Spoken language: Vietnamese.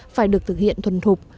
phải được thực hiện thuần thục